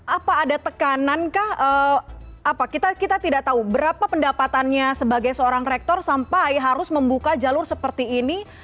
apa ada tekanan kah kita tidak tahu berapa pendapatannya sebagai seorang rektor sampai harus membuka jalur seperti ini